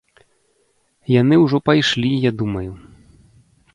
Яны ўжо пайшлі, я думаю.